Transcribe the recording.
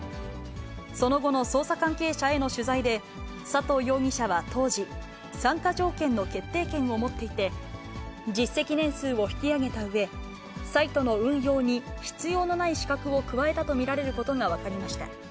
その後の捜査関係者への取材で、佐藤容疑者は当時、参加条件の決定権を持っていて、実績年数を引き上げたうえ、サイトの運用に必要のない資格を加えたと見られることが分かりました。